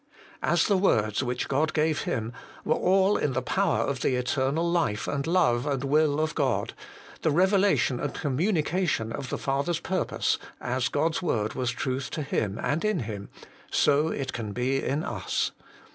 As the words, which God gave Him, were all in the power of the eternal Life and Love and Will of God, the revelation and communication of the Father's pur pose, as God's word was Truth to Him and in Him, so it can be in us.